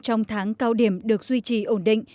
trong tháng cao điểm được duy trì ổn định